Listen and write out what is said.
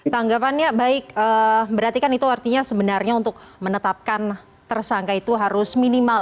tanggapannya baik berarti kan itu artinya sebenarnya untuk menetapkan tersangka itu harus minimal